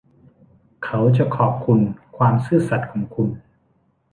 เขาจะขอบคุณความซื่อสัตย์ของคุณ